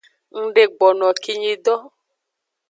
Ngdegbono no kinyi do.